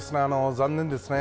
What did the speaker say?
残念ですね。